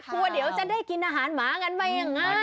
กลัวเดี๋ยวจะได้กินอาหารหมากันไว้อย่างนั้น